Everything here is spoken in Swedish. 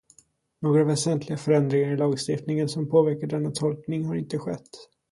Några väsentliga förändringar i lagstiftningen som påverkar denna tolkning har inte skett.